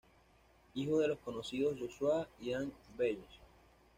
Hijo de los conocidos Joshua y Ann Bayes.